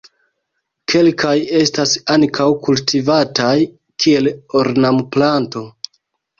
Kelkaj estas ankaŭ kultivataj kiel ornamplanto.